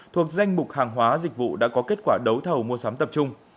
thuộc danh mục hàng hóa dịch vụ đã có kết quả đấu thầu mua sắm tập trung